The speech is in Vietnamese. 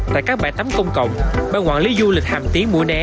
tại các bãi tắm công cộng bà quản lý du lịch hàm tiếng mũi né